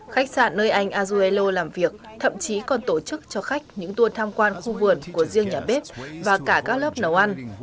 khách sạn nơi anh azuelo làm việc thậm chí còn tổ chức cho khách những tuần tham quan khu vườn của riêng nhà bếp và cả các lớp nấu ăn